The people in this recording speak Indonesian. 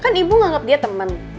kan ibu nganggap dia temen